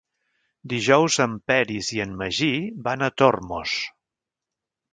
Dijous en Peris i en Magí van a Tormos.